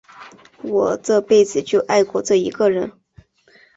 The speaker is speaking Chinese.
我这辈子就爱过这一个人。